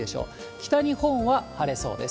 北日本は晴れそうです。